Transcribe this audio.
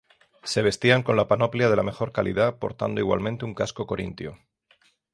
Se vestían con la panoplia de la mejor calidad, portando igualmente un casco corintio.